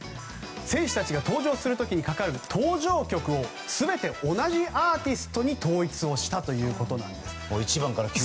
選手たちが登場する時にかかる登場曲を全て同じアーティストに統一をしたということなんです。